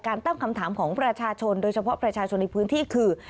ตั้งคำถามของประชาชนโดยเฉพาะประชาชนในพื้นที่คือ